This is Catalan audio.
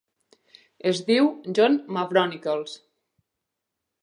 Es diu John Mavronicles.